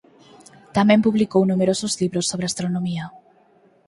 Tamén publicou numerosos libros sobre astronomía.